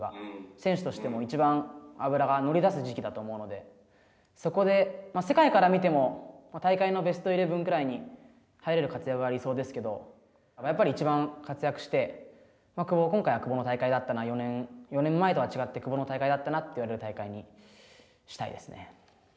選手としてもいちばん脂が乗りだす時期だと思うのでそこで、世界から見ても大会のベストイレブンぐらいに入れる活躍が理想ですけど、やっぱりいちばん活躍して、今回は久保の大会だったな、４年前と違って久保の大会だったなと言われる大会にしたいですね。